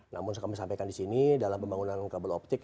namun seperti yang disampaikan disini dalam pembangunan kabel optik